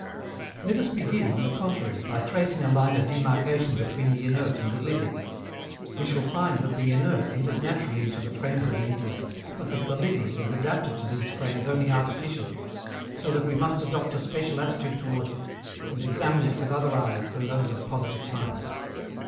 Let us begin, on the contrary, by tracing a line of demarcation between the inert and the living. We shall find that the inert enters naturally into the frames of the intellect, but that the living is adapted to these frames only artificially, so that we must adopt a special attitude towards it and examine it with other eyes than those of positive science.